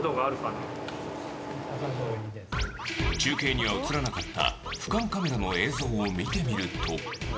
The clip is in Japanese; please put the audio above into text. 中継には映らなかった俯瞰カメラの映像を見てみると。